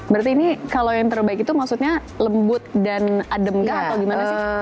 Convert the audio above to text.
berarti ini kalau yang terbaik itu maksudnya lembut dan adem kah atau gimana sih